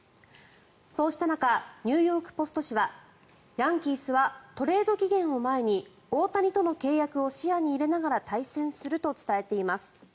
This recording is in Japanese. そうした中ニューヨーク・ポスト紙はヤンキースはトレード期限を前に大谷との契約を視野に入れながら対戦すると伝えています。